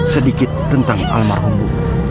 sedikit tentang almarhummu